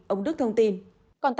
ông đức thông tin